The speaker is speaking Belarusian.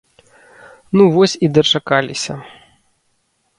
Ну вось і дачакаліся.